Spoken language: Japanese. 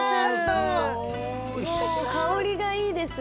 香りがいいです。